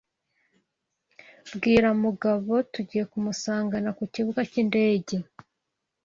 Bwira Mugabo tugiye kumusanganira kukibuga cyindege.